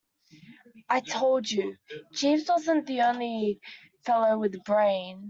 I told you Jeeves wasn't the only fellow with brain.